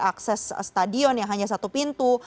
akses stadion yang hanya satu pintu